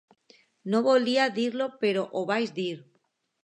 No volia dir-ho però ho vaig dir